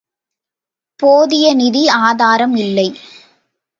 போதிய நிதி ஆதாரம் இல்லை.